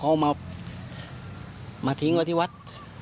เขาเอามาทิ้งไว้ที่วัด